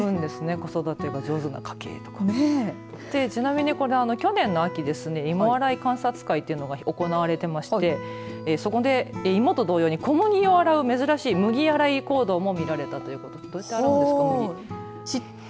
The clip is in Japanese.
子育てが上手な家系とかちなみに去年の秋芋洗い見学会が行われていましてそこで芋と同様に小麦を洗う珍しい麦洗い行動も見られたということです。